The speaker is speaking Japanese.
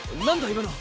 今の。